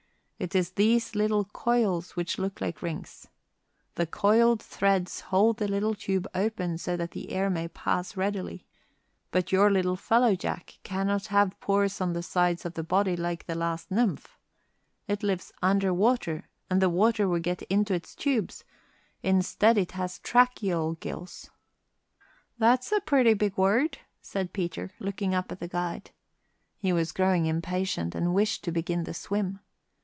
It is these little coils which look like rings. The coiled thread holds the little tube open so that the air may pass readily. But your little fellow, Jack, cannot have pores on the sides of the body like the last nymph. It lives under water, and the water would get into its tubes; instead, it has tracheal gills." [Illustration: A. May fly. B. Nymph of May fly.] "That's a pretty big word," said Peter, looking up at the guide. He was growing impatient, and wished to begin the swim.